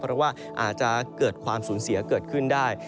เพราะว่าอาจจะเกิดความสูญเสียเกิดขึ้นได้